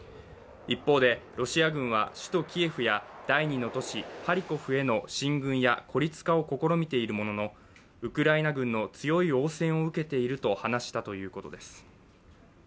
一方でロシア軍は首都キエフや第２の都市ハリコフへの進軍や孤立化を試みているもののウクライナ軍の強い応戦を受けていると話したということです。